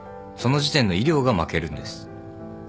その時点の医療が負けるんです。